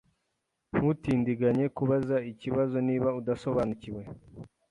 Ntutindiganye kubaza ikibazo niba udasobanukiwe.